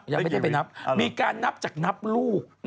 เฮ่ยมิการนับจากนับรูป